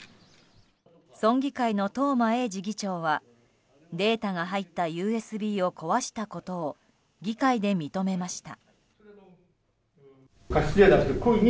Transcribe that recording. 村議会の東間永次議長はデータが入ったＵＳＢを壊したことを議会で認めました。